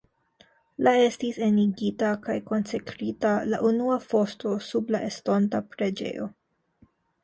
La estis enigita kaj konsekrita la unua fosto sub la estonta preĝejo.